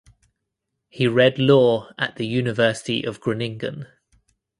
He read law at the University of Groningen.